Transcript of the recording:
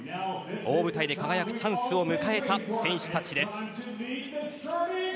大舞台で輝くチャンスを迎えた選手たちです。